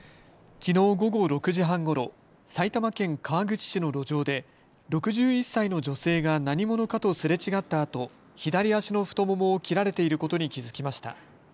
きのう午後６時半ごろ埼玉県川口市の路上で６１歳の女性が何者かとすれ違ったあと左足の太ももを切られていることに気付きました。